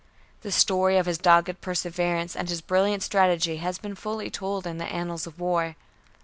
The story of his dogged perseverance and his brilliant strategy has been fully told in the annals of war.